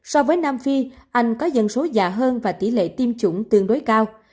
so với nam phi anh có dân số già hơn và tỷ lệ tiêm chủng tương đối cao